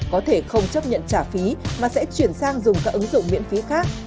có thể không chấp nhận trả phí mà sẽ chuyển sang dùng các ứng dụng miễn phí khác